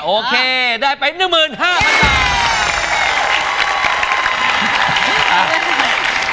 โอเคได้ไป๑๕๐๐๐บาท